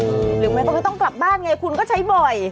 ลืมร่มเพื่อนก็ไม่ต้องกลับบ้านไงคุณก็ใช้บ่อย